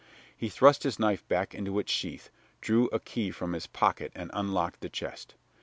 He thrust his knife back into its sheath, drew a key from his pocket and unlocked the chest.